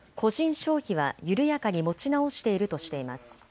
消費は緩やかに持ち直しているとしています。